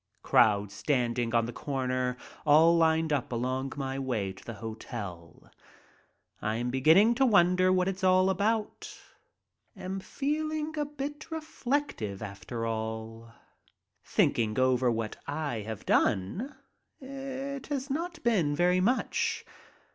Crowds standing on the corner, all lined up along my way to the hotel. I am begin ning to wonder what it's all about. Am feeling a bit reflective, after all; thinking over what I have done, it has not been very much.